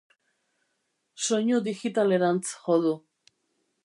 Soinu digitaletarantz jo du.